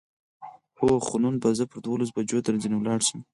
هو، خو نن به زه پر دولسو بجو درځنې ولاړ شم.